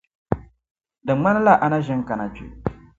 Di ŋmanila a na ʒin kana kpe.